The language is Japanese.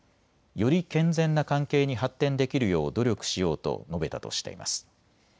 より健全な関係に発展できるよう努力しようと述べたとしています。